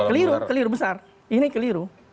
keliru keliru besar ini keliru